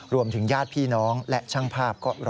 รวมถึงญาติพี่น้องและช่างภาพ